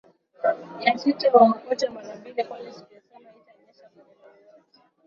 ya sita waokote mara mbili kwani siku ya saba haitanyesha maeneo yoyote